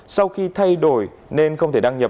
sau khi thay đổi nên không thể đăng nhập